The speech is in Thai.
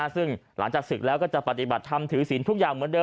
ซึ่งหลังจากศึกแล้วก็จะปฏิบัติธรรมถือศีลทุกอย่างเหมือนเดิ